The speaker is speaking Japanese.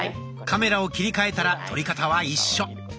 カメラを切り替えたら撮り方は一緒。